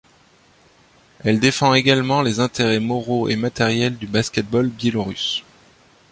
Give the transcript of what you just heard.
Elle défend également les intérêts moraux et matériels du basket-ball biélorusse.